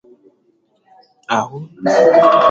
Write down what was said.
ahụ.